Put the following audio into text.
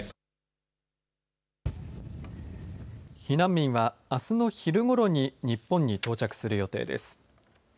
避難民は、あすの昼ごろに日本に到着する予定です。